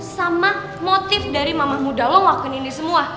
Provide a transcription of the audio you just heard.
sama motif dari mamah muda lo ngelakuinin dia semua